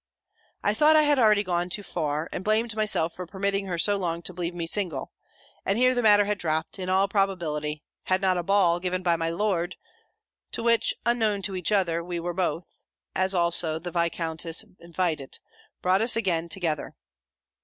"I thought I had already gone too far, and blamed myself for permitting her so long to believe me single; and here the matter had dropped, in all probability, had not a ball, given by my Lord , to which, unknown to each other, we were both, as also the Viscountess, invited, brought us again together.